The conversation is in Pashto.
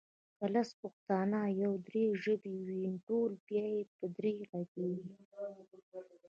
که لس پښتانه او يو دري ژبی وي ټول بیا په دري غږېږي